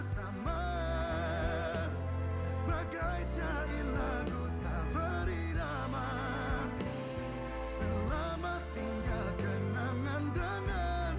sama tinggal kenangan dananmu